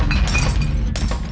pergi ke situ